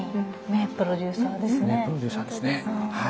名プロデューサーですねはい。